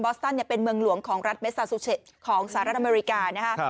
บอสตานส์เป็นเมืองหลวงของรัฐเมสาสุเชษภ์ของสหรัฐอเมริกา